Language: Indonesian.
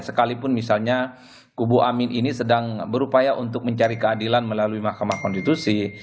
sekalipun misalnya kubu amin ini sedang berupaya untuk mencari keadilan melalui mahkamah konstitusi